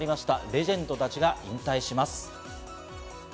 レジェンドたちが引退します。